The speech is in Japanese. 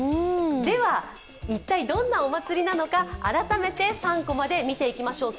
では一体どんなお祭りなのか改めて３コマで見ていきましょう。